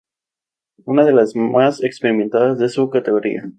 Una de las más experimentadas de su categoría.